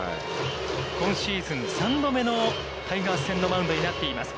今シーズン３度目のタイガース戦のマウンドになっています。